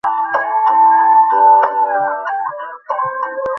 সম্ভবত টেস্টের শেষ দিন হেলিকপ্টারে করে পাপড়িগুলো ছিটানো হবে আকাশ থেকে।